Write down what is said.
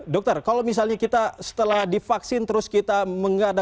dokter kalau misalnya kita setelah divaksin terus kita mengadakan